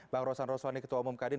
bang rosan rossoni ketua umum kadin